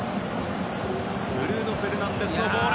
ブルーノ・フェルナンデスからのボール。